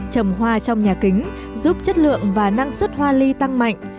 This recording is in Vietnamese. trồng hoa trong nhà kính giúp chất lượng và năng suất hoa ly tăng mạnh